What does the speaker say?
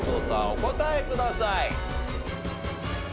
お答えください。